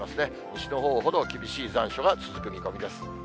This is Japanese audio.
西のほうほど、厳しい残暑が続く見込みです。